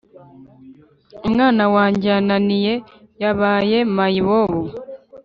Umwana wanjye yananiye yabaye mayibobo